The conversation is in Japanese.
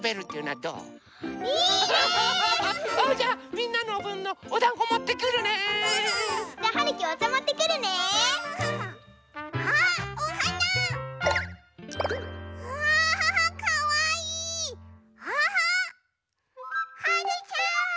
はるちゃん！